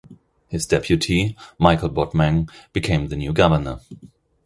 His deputy, Michael Botmang, became the new governor.